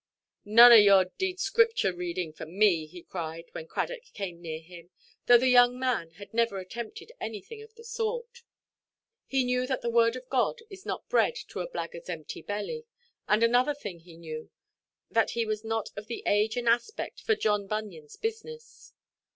"None of your d—d Scripture–reading for me!" he cried, when Cradock came near him; though the young man had never attempted anything of the sort. He knew that the Word of God is not bread to a blackguardʼs empty belly. And another thing he knew—that he was not of the age and aspect for John Bunyanʼs business.